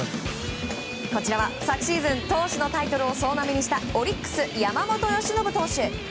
昨シーズン投手のタイトルを総なめにしたオリックス、山本由伸投手。